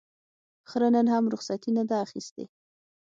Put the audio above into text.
خره نن هم رخصتي نه ده اخیستې.